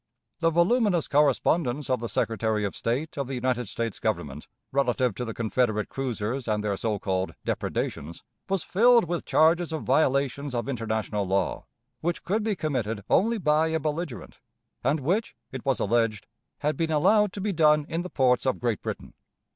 The voluminous correspondence of the Secretary of State of the United States Government, relative to the Confederate cruisers and their so called "depredations," was filled with charges of violations of international law, which could be committed only by a belligerent, and which, it was alleged, had been allowed to be done in the ports of Great Britain.